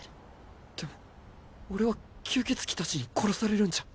でも俺は吸血鬼たちに殺されるんじゃ。